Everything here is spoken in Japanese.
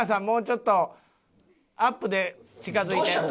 もうちょっとアップで近づいて。